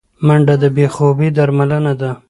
منډه د بې خوبي درملنه ده